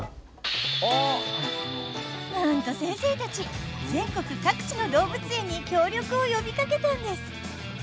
なんと先生たち全国各地の動物園に協力を呼びかけたんです！